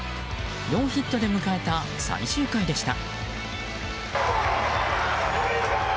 ノーヒットで迎えた最終回でした。